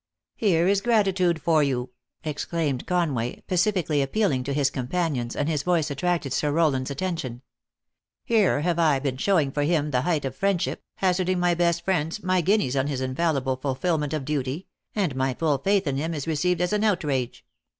"Here is gratitude for yon," exclaimed Conway, pacifically appealing to his companions, and his voice attracted Sir Rowland s attention. " Here have I been showing for him the height of friendship, haz arding my best friends, my guineas, on his infallible fulfillment of duty ; and my full faith in him is re ceived as an outrage."